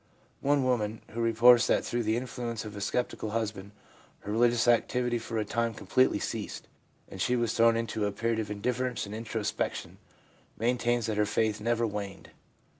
One woman, who reports that through the influence of a sceptical husband her religious activity for a time com pletely ceased, and she was thrown into a period of indifference and introspection, maintains that her ' faith never waned.'